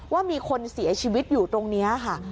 ว่ามีคนเสียชีวิตอยู่ตรงนี้ค่ะ